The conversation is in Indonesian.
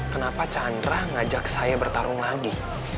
kenapa chandra ngajak saya bertarung lagi